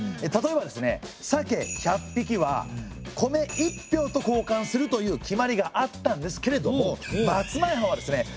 例えばですね鮭１００匹は米１俵とこうかんするという決まりがあったんですけれども松前藩はですね